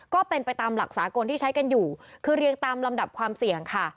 ก็เป็นไปตามหลักสากลที่ใช้กันอยู่คือเรียงตามลำดับความเสี่ยงค่ะ